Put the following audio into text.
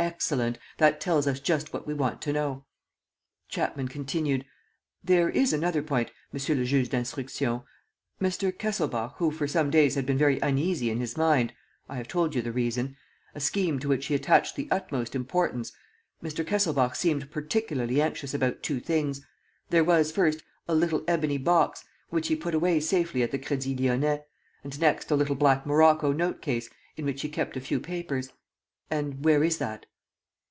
"Excellent ... that tells us just what we want to know." Chapman continued: "There is another point, Monsieur le Juge d'Instruction. Mr. Kesselbach, who for some days had been very uneasy in his mind I have told you the reason: a scheme to which he attached the utmost importance Mr. Kesselbach seemed particularly anxious about two things. There was, first, a little ebony box, which he put away safely at the Crédit Lyonnais; and, next, a little black morocco note case, in which he kept a few papers." "And where is that?"